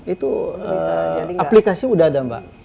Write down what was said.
itu aplikasi sudah ada mbak